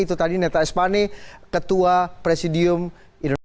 itu tadi neta espane ketua presidium indonesia